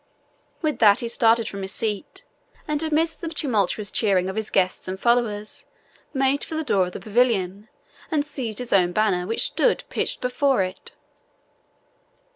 With that he started from his seat, and amidst the tumultuous cheering of his guests and followers, made for the door of the pavilion, and seized his own banner, which stood pitched before it.